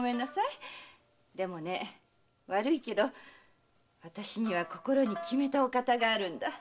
でもね悪いけど私には心に決めたお方があるんだ。